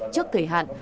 trước thời hạn